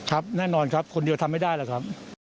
ครับแน่นอนครับคนเดียวทำไม่ได้หรอกครับ